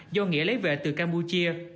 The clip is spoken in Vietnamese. do nghĩa lấy về từ campuchia